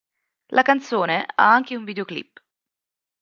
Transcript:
La canzone ha anche un videoclip.